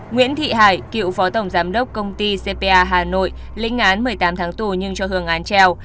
nguyễn thị hải cựu phó tổng giám đốc công ty cpa hà nội linh án một mươi tám tháng tù nhưng cho hưởng án treo